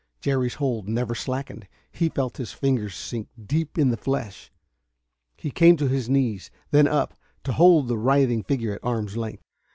Jerry's hold never slackened. He felt his fingers sink deep in the flesh. He came to his knees, then up, to hold the writhing figure at arm's length.